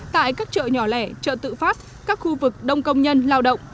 tại các chợ nhỏ lẻ chợ tự phát các khu vực đông công nhân lao động